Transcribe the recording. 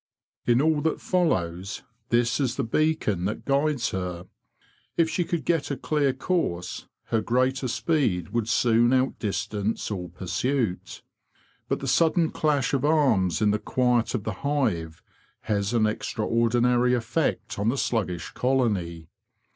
In all that follows, this is the beacon that guides her. If she could get a clear course, her greater speed would soon out distance all pursuit. But the sudden clash of arms in the quiet of the hive has an extraordinary effect on the sluggish colony.